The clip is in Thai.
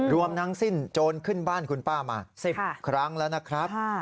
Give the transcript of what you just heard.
รวมทั้งสิ้นโจรขึ้นบ้านคุณป้ามา๑๐ครั้งแล้วนะครับ